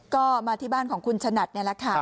ก็มาที่บ้านของคุณฉนัดนี่แหละค่ะ